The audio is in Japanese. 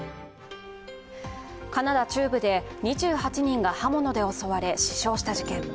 カナダ中部で２８人が刃物で襲われ、死傷した事件。